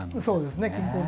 そうですね。